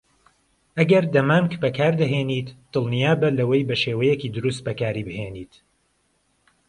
ئەگەر دەمامک بەکاردەهێنیت، دڵنیابە لەوەی بەشێوەیەکی دروست بەکاریبهێنیت.